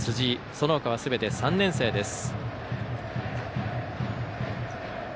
そのほかはすべて３年生です。